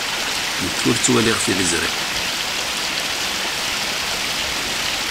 Nekk ur ttwaliɣ tiliẓri.